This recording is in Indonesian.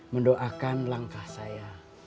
mendoakan langkah saya